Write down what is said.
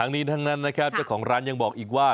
นี้ทั้งนั้นนะครับเจ้าของร้านยังบอกอีกว่า